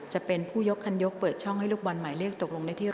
จะเป็นผู้ยกคันยกเปิดช่องให้ลูกบอลหมายเลขตกลงได้เที่ยว